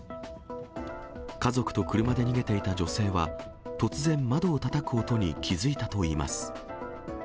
家族と車で逃げていた女性は、突然、窓をたたく音に気付いたといいます。